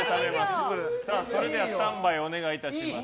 それではスタンバイお願いします。